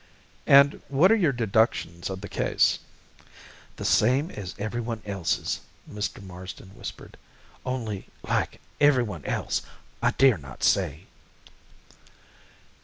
"And what are your deductions of the case?" "The same as everyone else's," Mr. Marsden whispered, "only, like everyone else, I dare not say."